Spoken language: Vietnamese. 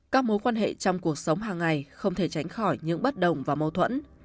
các mối quan hệ trong cuộc sống hàng ngày không thể tránh khỏi những bất đồng và mâu thuẫn